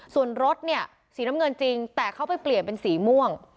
ส่วนรถเนี่ยสีน้ำเงินจริงแต่เขาไปเปลี่ยนเป็นสีม่วง